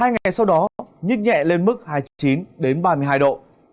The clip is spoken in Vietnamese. hai ngày sau đó nhích nhẹ lên mức hai mươi chín ba mươi hai độ